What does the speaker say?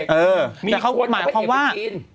ไม่ได้เกี่ยวกับพ่อเอกแต่เขาหมายความว่า